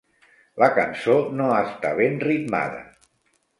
La cançó no està ben ritmada.